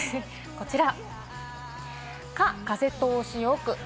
こちら。